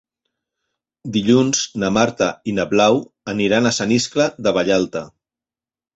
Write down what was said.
Dilluns na Marta i na Blau aniran a Sant Iscle de Vallalta.